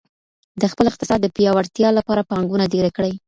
د خپل اقتصاد د پیاوړتیا لپاره پانګونه ډیره کړئ.